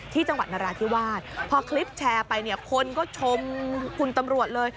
จังหวัดนราธิวาสพอคลิปแชร์ไปเนี่ยคนก็ชมคุณตำรวจเลย